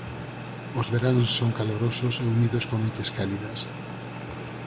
Os veráns son calorosos e húmidos con noites cálidas.